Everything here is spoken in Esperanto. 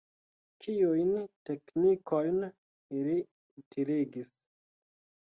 Kiujn teknikojn ili utiligis?